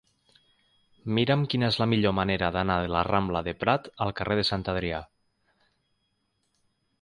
Mira'm quina és la millor manera d'anar de la rambla de Prat al carrer de Sant Adrià.